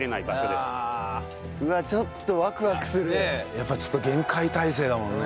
やっぱりちょっと厳戒態勢だもんね。